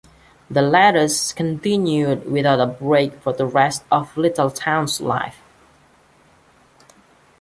The letters continued without a break for the rest of Lyttelton's life.